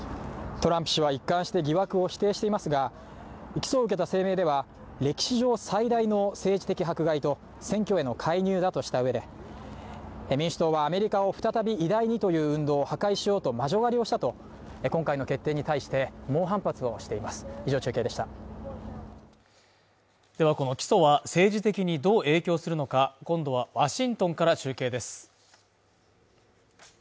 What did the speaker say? トランプ氏は一貫して疑惑を否定していますが起訴を受けた声明では、歴史上最大の政治的迫害と選挙への介入だとした上で、民主党はアメリカを再び偉大にという運動を破壊しようと魔女狩りをしたと今回の決定に対して、猛反発をしていますではこの起訴は政治的にどう影響するのか、今度はワシントンから中継です。